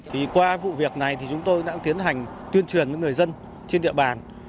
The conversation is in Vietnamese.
thì qua vụ việc này thì chúng tôi đã tiến hành tuyên truyền với người dân trên địa bàn